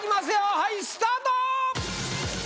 はいスタート